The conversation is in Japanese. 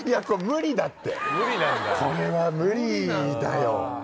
これは無理だよ。